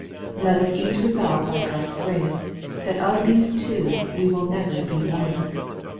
Let us each resolve by Q od's grace, that of these two we will never be one.